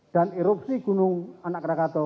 dan erupsi gunung anak krakato